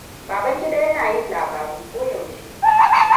Babangida yana yin labaru ko yaushe.